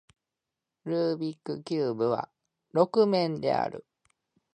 ルービックキューブは六面である